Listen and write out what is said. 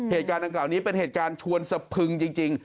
เหตุการณ์ดังกล่าวนี้เป็นเหตุการณ์ชวนสะพึงจริง